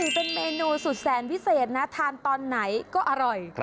เป็นเมนูสุดแสนวิเศษนะทานตอนไหนก็อร่อย